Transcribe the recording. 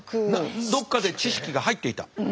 どっかで知識が入っていた？